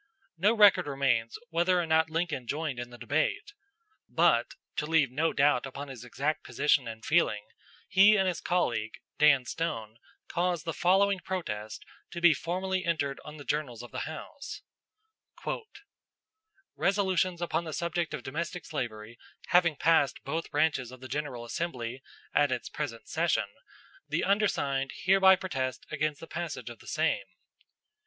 No record remains whether or not Lincoln joined in the debate; but, to leave no doubt upon his exact position and feeling, he and his colleague, Dan Stone, caused the following protest to be formally entered on the journals of the House: "Resolutions upon the subject of domestic slavery having passed both branches of the General Assembly at its present session, the undersigned hereby protest against the passage of the same."